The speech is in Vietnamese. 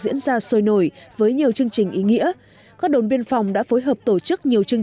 diễn ra sôi nổi với nhiều chương trình ý nghĩa các đồn biên phòng đã phối hợp tổ chức nhiều chương